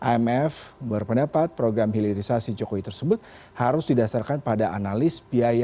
imf berpendapat program hilirisasi jokowi tersebut harus didasarkan pada analis biaya